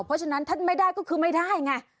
เพราะฉะนั้นท่านไม่ได้ก็คือไม่ได้ไง